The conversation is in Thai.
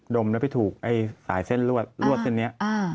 ดมได้ไปถูกในสายเส้นรวดเส้นนี้